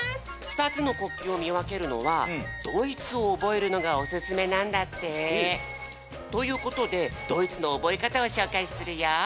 ふたつの国旗をみわけるのはドイツを覚えるのがおすすめなんだって。ということでドイツの覚え方をしょうかいするよ。